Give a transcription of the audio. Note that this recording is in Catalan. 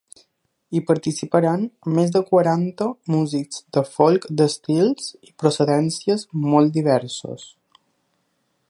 Hi participaran més de quaranta músics de folk d’estils i procedències molt diversos.